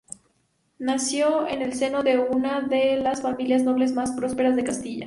Nacido en el seno de una de las familias nobles más prósperas de Castilla.